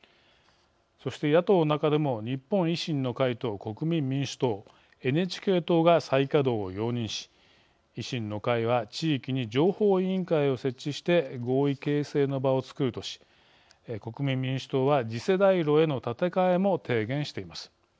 そして、野党の中でも日本維新の会と国民民主党ＮＨＫ党が再稼働を容認し維新の会は地域に情報委員会を設置して合意形成の場を作るとし国民民主党は次世代炉への建て替えも提言しています。